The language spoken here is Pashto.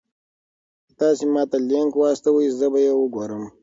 که تاسي ما ته لینک واستوئ زه به یې وګورم.